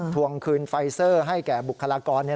ทวงคืนไฟเซอร์ให้แก่บุคลากร